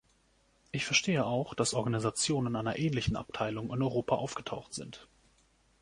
Ich verstehe auch, dass Organisationen einer ähnlichen Abteilung in Europa aufgetaucht sind.